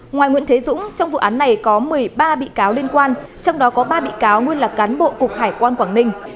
ngoài nguyễn thế dũng trong vụ án này có một mươi ba bị cáo liên quan trong đó có ba bị cáo nguyên là cán bộ cục hải quan quảng ninh